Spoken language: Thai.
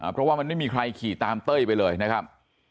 เพราะว่ามันไม่มีใครขี่ตามเต้ยไปเลยนะครับ